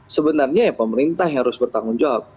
sebenarnya ya pemerintah yang harus bertanggung jawab